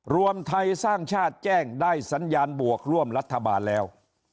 รวมไทยสร้างชาติแจ้งได้สัญญาณบวกร่วมรัฐบาลแล้ว